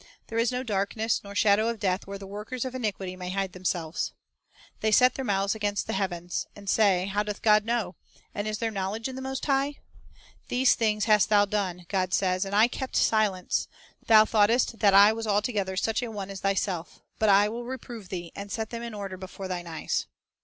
"There is no darkness, nor shadow of death, where the workers of iniquity may hide themselves." 1 "They set their mouth against the heavens, and say, How doth God know? and is there knowledge in the Most High?" "These things hast thou done," God says, "and I kept silence; thou thoughtest that I was altogether such a one as thyself; but I will reprove thee, and set them in order before thine eyes."